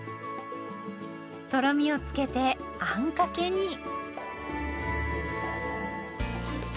とろみをつけてあんかけに。